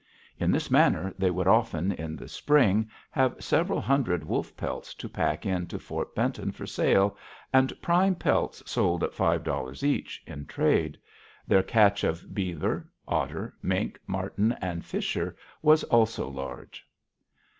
In this manner they would often, in the spring, have several hundred wolf pelts to pack in to Fort Benton for sale, and prime pelts sold at five dollars each, in trade. Their catch of beaver, otter, mink, martin, and fisher was also large.